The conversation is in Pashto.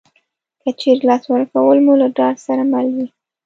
که چېرې لاس ورکول مو له ډاډ سره مل وي